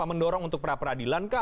anda mendorong untuk peradilan kah